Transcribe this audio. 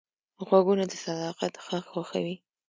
غوږونه د صداقت غږ خوښوي